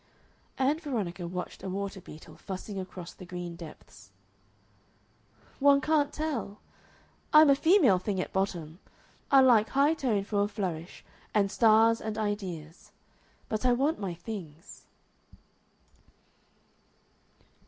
Ann Veronica watched a water beetle fussing across the green depths. "One can't tell. I'm a female thing at bottom. I like high tone for a flourish and stars and ideas; but I want my things."